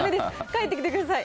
帰ってきてください。